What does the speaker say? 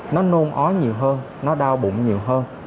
nó nôn ói nhiều hơn nó đau bụng nhiều hơn